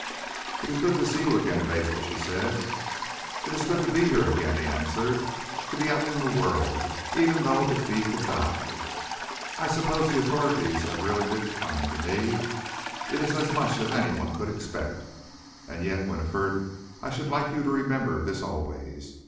"It is good to see you again, Basil," she said. "It is good to be here again," he answered, "to be out in the world, even though it be to die. I suppose the authorities have really been kind to me. It is as much as anyone could expect. And yet, Winifred, I should like you to remember this always.